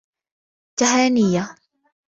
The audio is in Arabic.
تهانيّ!